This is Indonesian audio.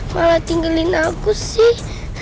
malah tinggalin aku sih